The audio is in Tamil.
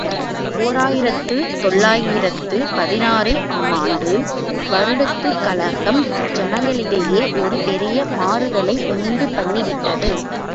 ஓர் ஆயிரத்து தொள்ளாயிரத்து பதினாறு ஆம் ஆண்டு வருடத்துக் கலகம் ஜனங்களிடையே ஒரு பெரிய மாறுதலை உண்டுபண்ணிவிட்டது.